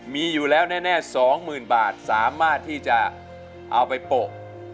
มีอยู่แล้วแน่๒๐๐๐บาทสามารถที่จะเอาไปโปะ